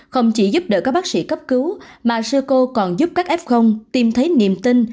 không chỉ giúp đỡ các bác sĩ cấp cứu mà sơ cô còn giúp các f tìm thấy niềm tin